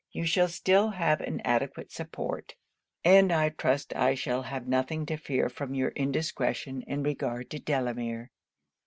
You shall still have an adequate support; and I trust I shall have nothing to fear from your indiscretion in regard to Delamere.'